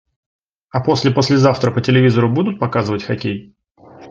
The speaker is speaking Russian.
А послепослезавтра по телевизору будут показывать хоккей?